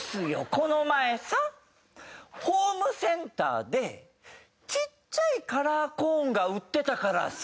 この前さホームセンターでちっちゃいカラーコーンが売ってたからさ